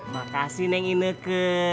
makasih neng inneke